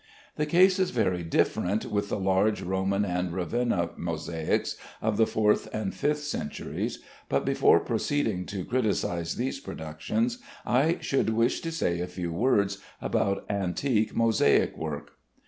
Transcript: The case is very different with the large Roman and Ravenna mosaics of the fourth and fifth centuries, but before proceeding to criticise these productions, I should wish to say a few words about antique mosaic work.